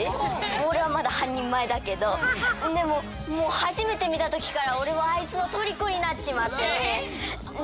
おれはまだはんにんまえだけどでももうはじめてみたときからおれはあいつのとりこになっちまってね。